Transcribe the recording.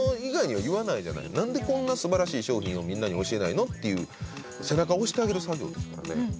何でこんなすばらしい商品をみんなに教えないのっていう背中押してあげる作業ですからね